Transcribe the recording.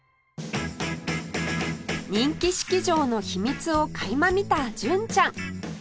人気式場の秘密を垣間見た純ちゃん